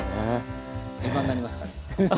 定番になりますかね。